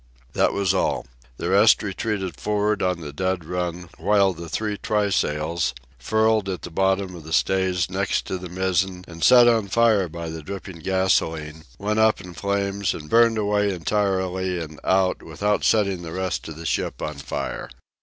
That was all. The rest retreated for'ard on the dead run, while the three trysails, furled at the foot of the stays next to the mizzen and set on fire by the dripping gasolene, went up in flame and burned entirely away and out without setting the rest of the ship on fire.